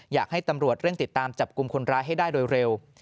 อยากให้ตำรวจเร่งติดตามจับกลุ่มคนร้ายให้ได้โดยเร็ว